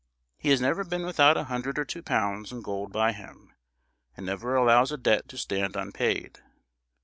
He has never been without a hundred or two pounds in gold by him, and never allows a debt to stand unpaid.